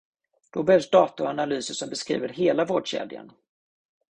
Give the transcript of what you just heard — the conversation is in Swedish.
Då behövs data och analyser som beskriver hela vårdkedjan.